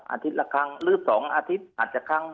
อาทิตย์ละครั้งหรือ๒อาทิตย์อาจจะครั้ง